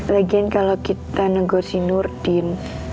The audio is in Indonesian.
lagian kalau kita negosi nurdin